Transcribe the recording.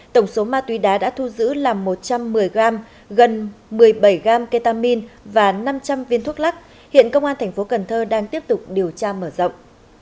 tổng số ma túy đá đã thu giữ là một trăm một mươi g gần một mươi bảy g ketamin và năm trăm linh viên thuốc lắc hiện công an tp hcm đang tiếp tục điều tra mở rộng